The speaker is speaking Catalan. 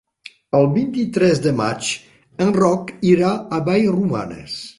El vint-i-tres de maig en Roc irà a Vallromanes.